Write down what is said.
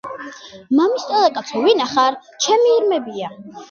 – მამისტოლა კაცო, ვინა ხარ? ჩემი ირმებია!